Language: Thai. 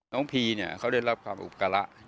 น้องพีเขาได้รับความอุบการะ